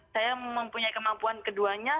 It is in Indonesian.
saya mempunyai kemampuan keduanya